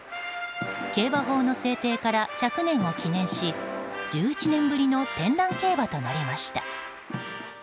競馬法の制定から１００年を記念し１１年ぶりの天覧競馬となりました。